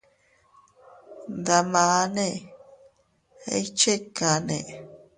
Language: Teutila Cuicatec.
Ndamane, ¿iychikanne?